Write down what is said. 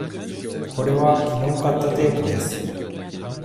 これはきのう買ったテープです。